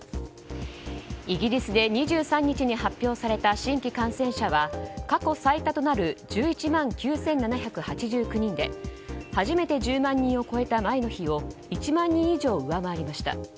イギリスで２３日に発表された新規感染者は、過去最多となる１１万９７８９人で初めて１０万人を超えた前の日を１万人以上、上回りました。